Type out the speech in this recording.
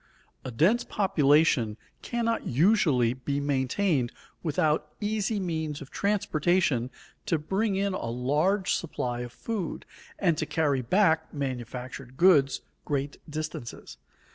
A dense population cannot usually be maintained without easy means of transportation to bring in a large supply of food, and to carry back manufactured goods great distances.